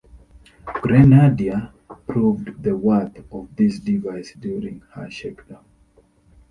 "Grenadier" proved the worth of this device during her shakedown.